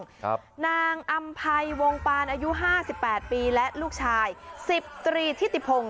ครับนางอำภัยวงปานอายุห้าสิบแปดปีและลูกชายสิบตรีทิติพงศ